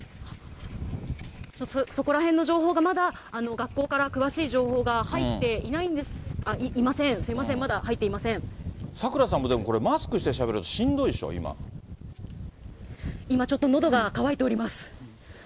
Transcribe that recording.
そこらへんの情報がまだ、学校から詳しい情報が入っていません、すみません、まだ入ってい櫻さんもでもこれ、マスクしてしゃべるのしんどいでしょ、今ちょっとのどが渇いております。